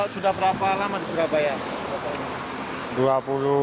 sudah berapa lama di surabaya